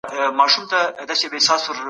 له نیژدې یوه پر ږغ کړه بوډا څه کړې